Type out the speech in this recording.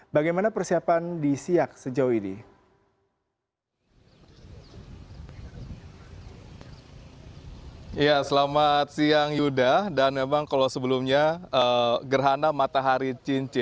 bagaimana persiapan di siak sejauh ini